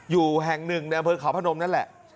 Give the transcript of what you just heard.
อยู่แห่งหนึ่งในบริเวณขาวพะนมนั่นแหละ